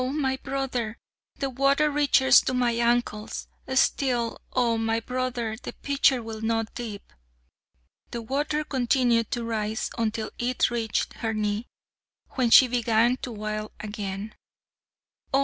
my brother, the water reaches to my ankles, Still, Oh! my brother, the pitcher will not dip." The water continued to rise until it reached her knee, when she began to wail again: "Oh!